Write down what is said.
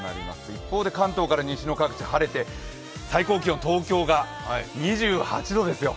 一方で関東から西の各地は晴れて最高気温、東京が２８度ですよ。